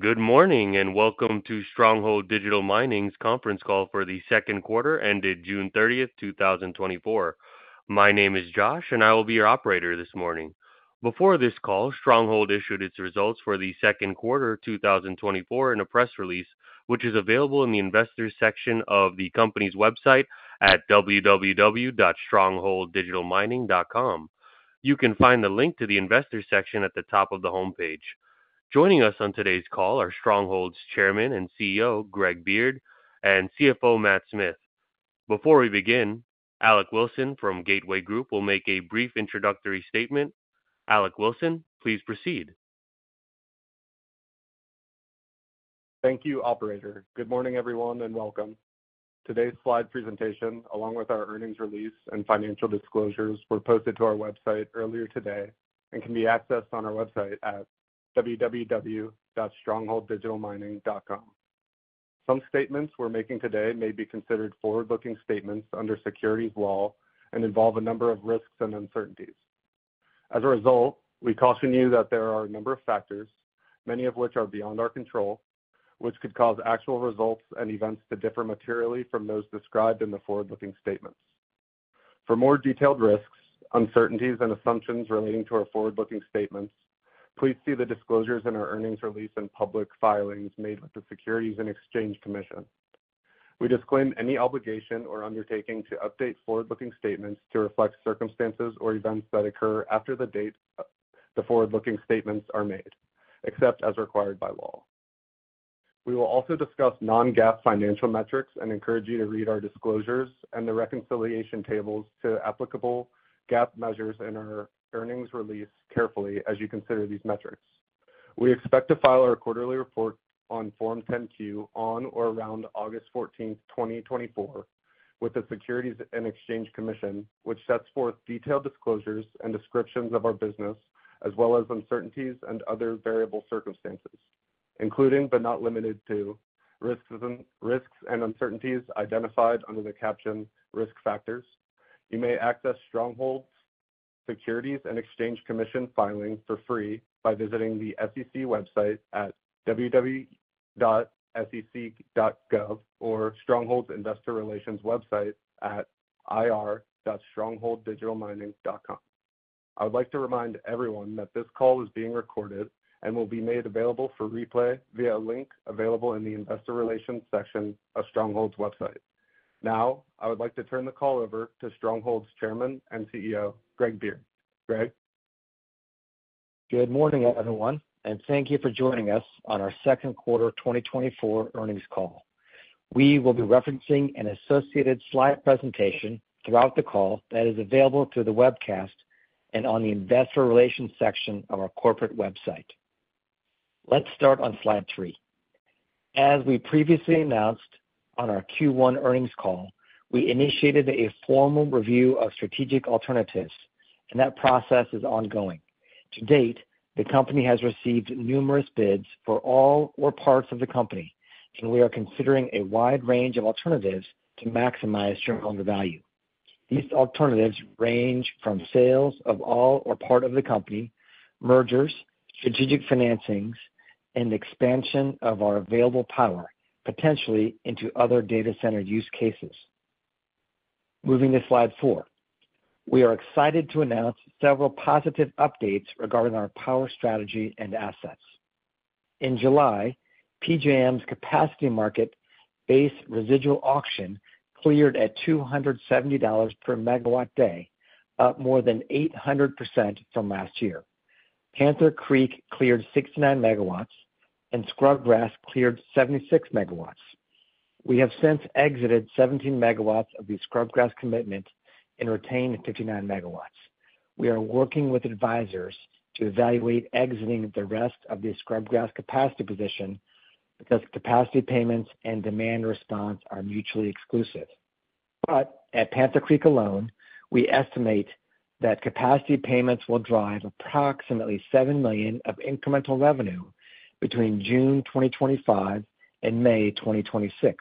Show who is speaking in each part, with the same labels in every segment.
Speaker 1: Good morning, and welcome to Stronghold Digital Mining's conference call for the second quarter ended June 30, 2024. My name is Josh, and I will be your operator this morning. Before this call, Stronghold issued its results for the second quarter of 2024 in a press release, which is available in the Investors section of the company's website at www.strongholddigitalmining.com. You can find the link to the Investors section at the top of the homepage. Joining us on today's call are Stronghold's Chairman and CEO, Greg Beard, and CFO, Matt Smith. Before we begin, Alec Wilson from Gateway Group will make a brief introductory statement. Alec Wilson, please proceed.
Speaker 2: Thank you, operator. Good morning, everyone, and welcome. Today's slide presentation, along with our earnings release and financial disclosures, were posted to our website earlier today and can be accessed on our website at www.strongholddigitalmining.com. Some statements we're making today may be considered forward-looking statements under securities law and involve a number of risks and uncertainties. As a result, we caution you that there are a number of factors, many of which are beyond our control, which could cause actual results and events to differ materially from those described in the forward-looking statements. For more detailed risks, uncertainties, and assumptions relating to our forward-looking statements, please see the disclosures in our earnings release and public filings made with the Securities and Exchange Commission. We disclaim any obligation or undertaking to update forward-looking statements to reflect circumstances or events that occur after the date the forward-looking statements are made, except as required by law. We will also discuss non-GAAP financial metrics and encourage you to read our disclosures and the reconciliation tables to applicable GAAP measures in our earnings release carefully as you consider these metrics. We expect to file our quarterly report on Form 10-Q on or around August 14, 2024, with the Securities and Exchange Commission, which sets forth detailed disclosures and descriptions of our business, as well as uncertainties and other variable circumstances, including, but not limited to, risks and, risks and uncertainties identified under the caption Risk Factors. You may access Stronghold's Securities and Exchange Commission filing for free by visiting the SEC website at www.sec.gov or Stronghold's investor relations website at ir.strongholddigitalmining.com. I would like to remind everyone that this call is being recorded and will be made available for replay via a link available in the Investor Relations section of Stronghold's website. Now, I would like to turn the call over to Stronghold's Chairman and CEO, Greg Beard. Greg?
Speaker 3: Good morning, everyone, and thank you for joining us on our second quarter 2024 earnings call. We will be referencing an associated slide presentation throughout the call that is available through the webcast and on the Investor Relations section of our corporate website. Let's start on slide 3. As we previously announced on our Q1 earnings call, we initiated a formal review of strategic alternatives, and that process is ongoing. To date, the company has received numerous bids for all or parts of the company, and we are considering a wide range of alternatives to maximize shareholder value. These alternatives range from sales of all or part of the company, mergers, strategic financings, and expansion of our available power, potentially into other data center use cases. Moving to slide 4. We are excited to announce several positive updates regarding our power strategy and assets. In July, PJM's capacity market Base Residual Auction cleared at $270 per megawatt-day, up more than 800% from last year. Panther Creek cleared 69 megawatts, and Scrubgrass cleared 76 megawatts. We have since exited 17 megawatts of the Scrubgrass commitment and retained 59 megawatts. We are working with advisors to evaluate exiting the rest of the Scrubgrass capacity position because capacity payments and demand response are mutually exclusive. But at Panther Creek alone, we estimate that capacity payments will drive approximately $7 million of incremental revenue between June 2025 and May 2026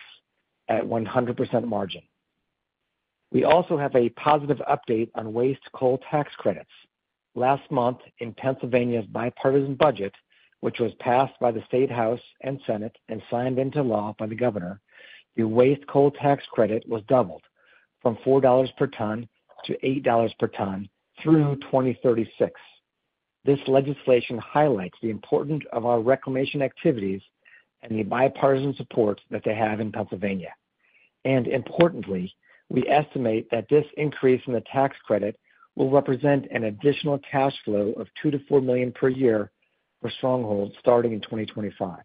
Speaker 3: at 100% margin. We also have a positive update on waste coal tax credits. Last month, in Pennsylvania's bipartisan budget, which was passed by the State House and Senate and signed into law by the governor, the Waste Coal Tax Credit was doubled from $4 per ton to $8 per ton through 2036. This legislation highlights the importance of our reclamation activities and the bipartisan support that they have in Pennsylvania. Importantly, we estimate that this increase in the tax credit will represent an additional cash flow of $2 million-$4 million per year for Stronghold, starting in 2025.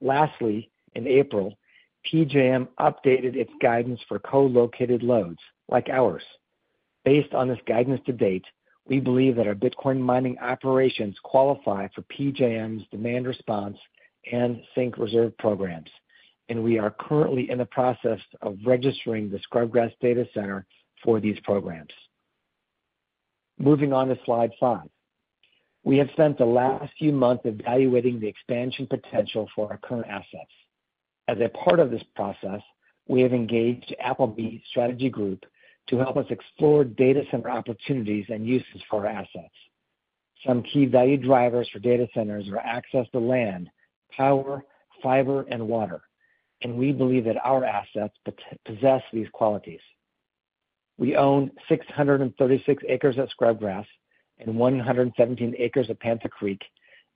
Speaker 3: Lastly, in April, PJM updated its guidance for co-located loads like ours. Based on this guidance to date, we believe that our Bitcoin mining operations qualify for PJM's Demand Response and Sync reserve programs, and we are currently in the process of registering the Scrubgrass Data Center for these programs. Moving on to slide 5. We have spent the last few months evaluating the expansion potential for our current assets. As a part of this process, we have engaged Appleby Strategy Group to help us explore data center opportunities and uses for our assets. Some key value drivers for data centers are access to land, power, fiber, and water, and we believe that our assets possess these qualities. We own 636 acres at Scrubgrass and 117 acres at Panther Creek,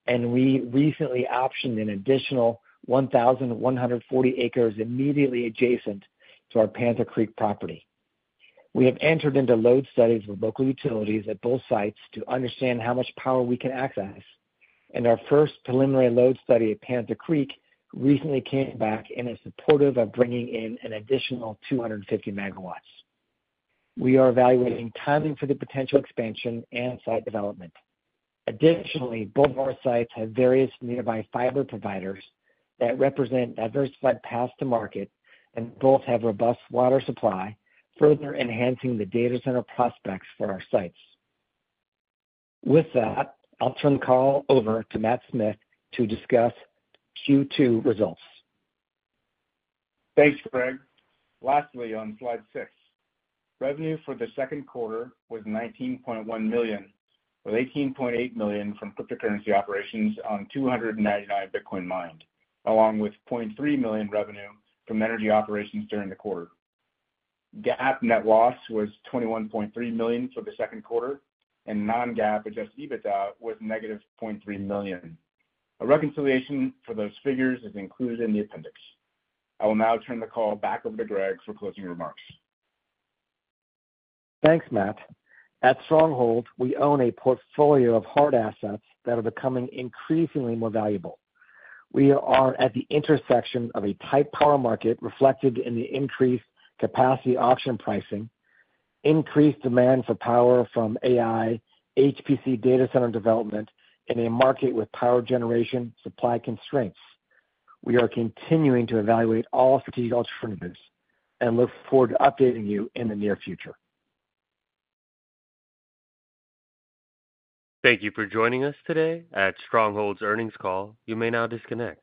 Speaker 3: and we recently optioned an additional 1,140 acres immediately adjacent to our Panther Creek property. We have entered into load studies with local utilities at both sites to understand how much power we can access, and our first preliminary load study at Panther Creek recently came back, and is supportive of bringing in an additional 250 MW. We are evaluating timing for the potential expansion and site development. Additionally, both of our sites have various nearby fiber providers that represent diversified paths to market, and both have robust water supply, further enhancing the data center prospects for our sites. With that, I'll turn the call over to Matt Smith to discuss Q2 results.
Speaker 4: Thanks, Greg. Lastly, on slide 6, revenue for the second quarter was $19.1 million, with $18.8 million from cryptocurrency operations on 299 Bitcoin mined, along with $0.3 million revenue from energy operations during the quarter. GAAP net loss was $21.3 million for the second quarter, and non-GAAP adjusted EBITDA was -$0.3 million. A reconciliation for those figures is included in the appendix. I will now turn the call back over to Greg for closing remarks.
Speaker 3: Thanks, Matt. At Stronghold, we own a portfolio of hard assets that are becoming increasingly more valuable. We are at the intersection of a tight power market, reflected in the increased capacity option pricing, increased demand for power from AI, HPC data center development, in a market with power generation supply constraints. We are continuing to evaluate all strategic alternatives and look forward to updating you in the near future.
Speaker 1: Thank you for joining us today at Stronghold's earnings call. You may now disconnect.